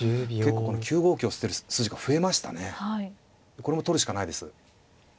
これも取るしかないです。